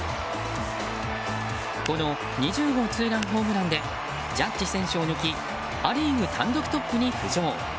この２０号ツーランホームランでジャッジ選手を抜きア・リーグ単独トップに浮上。